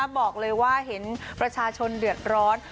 บอกเลยว่าเห็นประชาชนเดือดร้อน